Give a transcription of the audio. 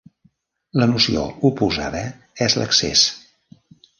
La noció oposada és l'excés.